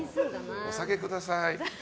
お下げください。